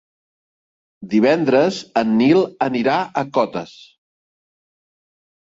Divendres en Nil anirà a Cotes.